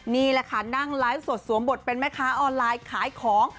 นี่แหละค่ะนั่งไลฟ์สดสวมบทเป็นแม่ค้าออนไลน์ขายของ